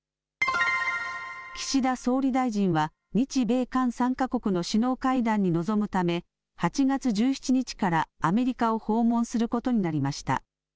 岸田総理大臣は日米韓３か国の首脳会談に臨むため８月１７日からアメリカを訪問することになりました。